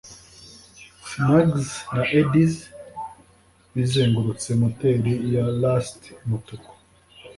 snags na eddies bizengurutse moteri ya rust-umutuku.